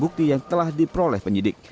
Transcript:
bukti yang telah diperoleh penyidik